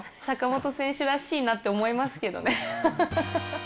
坂本選手らしいなって思いますけどね。